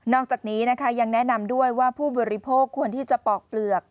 อกจากนี้นะคะยังแนะนำด้วยว่าผู้บริโภคควรที่จะปอกเปลือก